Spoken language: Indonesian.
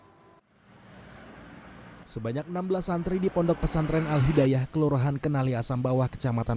hai sebanyak enam belas antri di pondok pesantren alhidayah kelurahan kenali asam bawah kecamatan